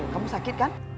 kamu sakit kan